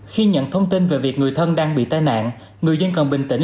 khi nhận thông tin về việc người thân đang bị tai nạn người dân cần bình tĩnh